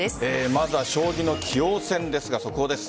まずは将棋の棋王戦ですが速報です。